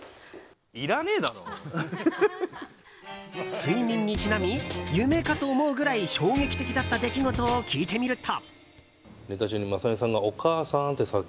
睡眠にちなみ夢かと思うぐらい衝撃的だった出来事を聞いてみると。